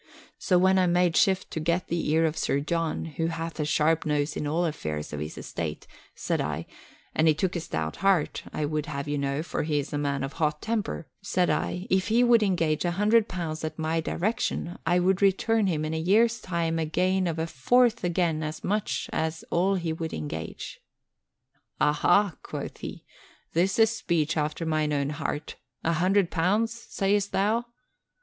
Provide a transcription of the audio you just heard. So when I made shift to get the ear of Sir John, who hath a sharp nose in all affairs of his estate, said I, and it took a stout heart, I would have you know, for he is a man of hot temper, said I, if he would engage a hundred pounds at my direction I would return him in a year's time a gain of a fourth again as much as all he would engage. "'Aha!'" quoth he, "'this is speech after mine own heart. A hundred pounds, sayest thou?